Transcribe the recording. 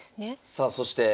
さあそして。